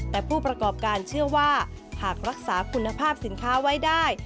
แต่ผู้ประกอบการเชื่อว่าหากรักษาคุณภาพสินค้าไว้ได้